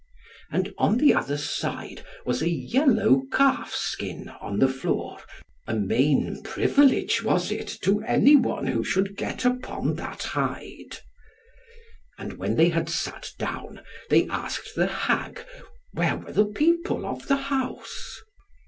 And on the other side was a yellow calf skin on the floor, a main privilege was it to any one who should get upon that hide. And when they had sat down, they asked the hag where were the people of the house.